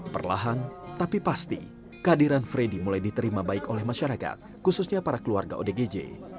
perlahan tapi pasti kehadiran freddy mulai diterima baik oleh masyarakat khususnya para keluarga odgj